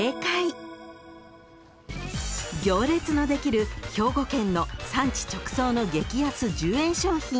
［行列のできる兵庫県の産地直送の激安１０円商品］